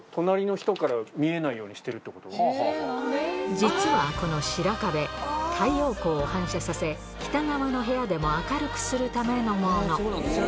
実はこの白壁太陽光を反射させ北側の部屋でも明るくするためのもの